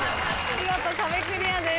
見事壁クリアです。